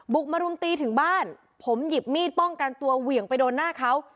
มารุมตีถึงบ้านผมหยิบมีดป้องกันตัวเหวี่ยงไปโดนหน้าเขา